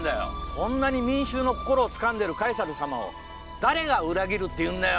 こんなに民衆の心をつかんでるカエサル様を誰が裏切るっていうんだよ！